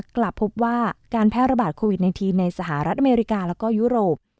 กลับพบว่าการแพร่ระบาดโควิด๑๙ในสหรัฐอเมริกาแล้วก็ยุโรป